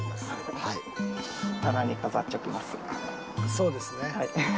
そうですね。